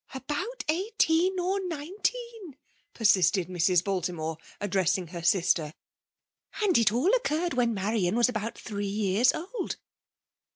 '* ''About eighteen or nineteen?" persbted FKMALB DOMIKAHON. 151 Mrs. Baltimore^ addressing her sister. '' And it all occurred when Marian was about three years old.